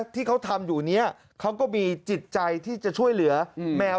ที่เขาทำอยู่นี้เขาก็มีจิตใจที่จะช่วยเหลือแมว